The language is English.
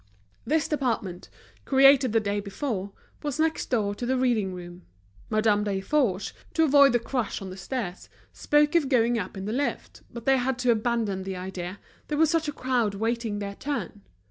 This department, created the day before, was next door to the reading room. Madame Desforges, to avoid the crush on the stairs, spoke of going up in the lift, but they had to abandon the idea, there was such a crowd waiting their turn.